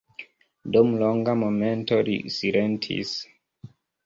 Dum longa momento li silentis.